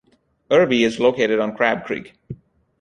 Irby is located on Crab Creek.